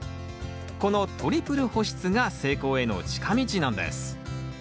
このトリプル保湿が成功への近道なんです